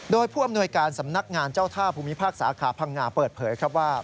โดยผู้อำนวยการสำนักงานเจ้าท่าภูมิภาคสาขาพังงาเปิดเผยครับว่า